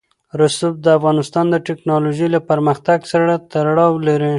رسوب د افغانستان د تکنالوژۍ له پرمختګ سره تړاو لري.